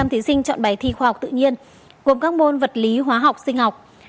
một mươi thí sinh chọn bài thi khoa học tự nhiên gồm các môn vật lý hóa học sinh học